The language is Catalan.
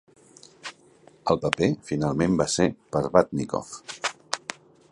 El paper finalment va ser per a Batinkoff.